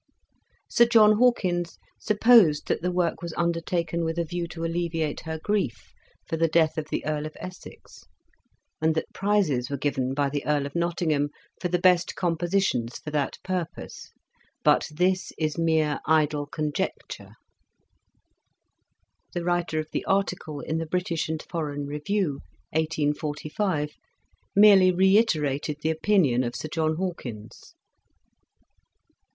Sir John Hawkins supposed that the work was undertaken with a view to alleviate her grief for the death of the Earl of Essex, and that prizes were given by the Earl of Nottingham for the best composi tions for that purpose, but this is mere idle conjecture" The writer of the article in the British and Foreign Review, 1845, merely reiterated the opinion of Sir John Hawkins.